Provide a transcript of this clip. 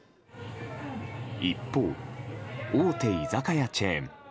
一方、大手居酒屋チェーン。